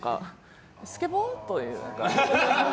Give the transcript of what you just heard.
スケボー？っていう。